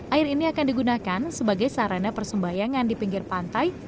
air ini akan digunakan sebagai sarana persembayangan di pinggir pantai